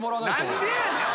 何でやねん。